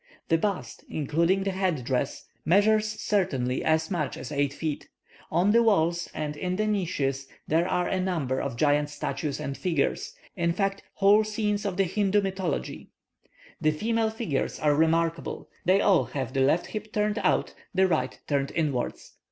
The bust, including the head dress, measures certainly as much as eight feet. On the walls and in the niches, there are a number of giant statues and figures; in fact, whole scenes of the Hindoo mythology. The female figures are remarkable; they all have the left hip turned out, the right turned inwards.